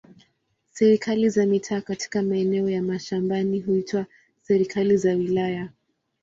Serikali za mitaa katika maeneo ya mashambani huitwa serikali za wilaya.